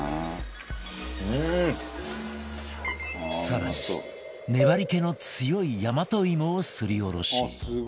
更に粘り気の強い大和芋をすりおろし